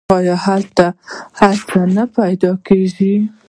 آیا هلته هر څه نه پیدا کیږي؟